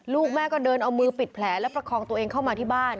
ลูกแม่ก็เดินเอามือปิดแผลและประคองตัวเองเข้ามาที่บ้าน